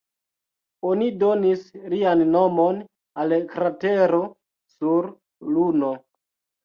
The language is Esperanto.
Oni donis lian nomon al kratero sur Luno.